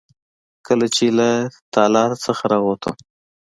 کله چې له تالار څخه راووتم.